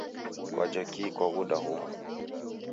Kwaja kii kwaghuda huwu?